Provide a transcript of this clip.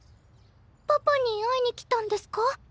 パパに会いに来たんですか？